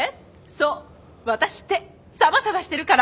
そうワタシってサバサバしてるから！